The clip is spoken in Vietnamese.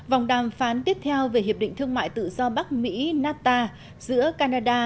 vòng đàm phán tiếp theo về hiệp định thương mại tự do bắc mỹ nata giữa canada